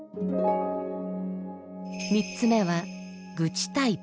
３つ目は愚痴タイプ。